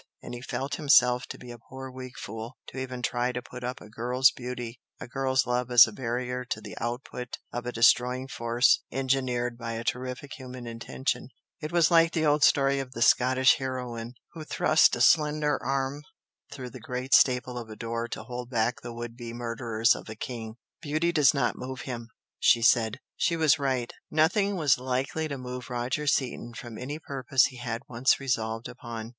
And he felt himself to be a poor weak fool to even try to put up a girl's beauty, a girl's love as a barrier to the output of a destroying force engineered by a terrific human intention, it was like the old story of the Scottish heroine who thrust a slender arm through the great staple of a door to hold back the would be murderers of a King. "Beauty does not move him!" she said. She was right. Nothing was likely to move Roger Seaton from any purpose he had once resolved upon.